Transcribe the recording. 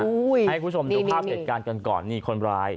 อุ้ยให้คุณผู้ชมดูภาพเด็ดการกันก่อนนี่คนร้าย